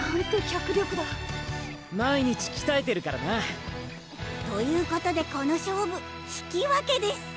脚力だ毎日きたえてるからな！ということでこの勝負引き分けです